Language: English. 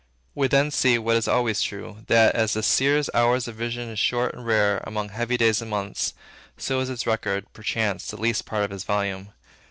We then see, what is always true, that, as the seer's hour of vision is short and rare among heavy days and months, so is its record, perchance, the least part of his volume.